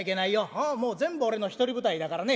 ああもう全部俺の独り舞台だからね